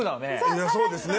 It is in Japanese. いやそうですね。